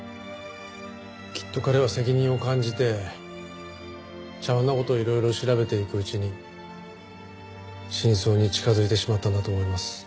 きっと彼は責任を感じて茶碗の事をいろいろ調べていくうちに真相に近づいてしまったんだと思います。